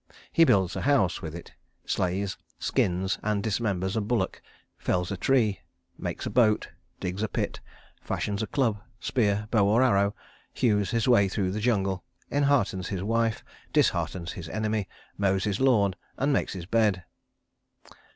He builds a house with it; slays, skins and dismembers a bullock; fells a tree, makes a boat, digs a pit; fashions a club, spear, bow or arrow; hews his way through jungle, enheartens his wife, disheartens his enemy, mows his lawn, and makes his bed.